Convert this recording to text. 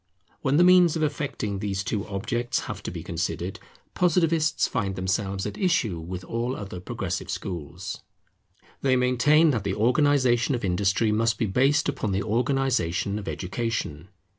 When the means of effecting these two objects have to be considered, Positivists find themselves at issue with all other Progressive schools. They maintain that the organization of Industry must be based upon the organization of Education.